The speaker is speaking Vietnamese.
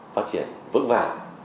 phát triển vững vàng